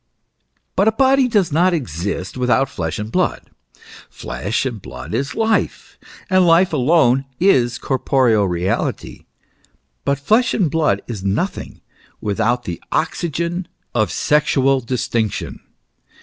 But a body does not exist without flesh and blood. Flesh and blood is life, and life alone is cor poreal reality. But flesh and blood is nothing without the oxygen of sexual distinction.